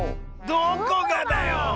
どこがだよ！